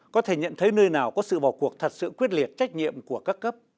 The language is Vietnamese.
có thể nhận thấy nơi nào có sự bỏ cuộc thật sự quyết liệt trách nhiệm của các cấp